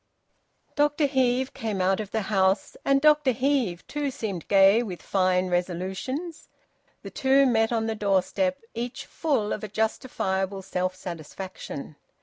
Dr Heve came out of the house, and Dr Heve too seemed gay with fine resolutions. The two met on the doorstep, each full of a justifiable self satisfaction.